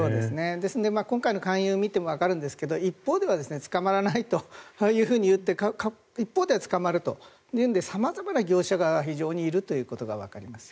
ですので今回の勧誘を見てもわかるんですが一方では捕まらないと言って一方では捕まると様々な業者が非常にいるということがわかりますね。